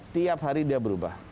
tiap hari dia berubah